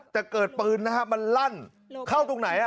แต่เกิดปืนนะฮะมันลั่นเข้าตรงไหน